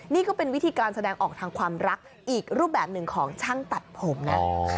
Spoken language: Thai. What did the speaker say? นี่ก็เป็นวิธีการแสดงออกทางความรักอีกรูปแบบหนึ่งของช่างตัดผมนะ